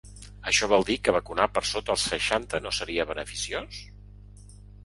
Això vol dir que vacunar per sota els seixanta no seria beneficiós?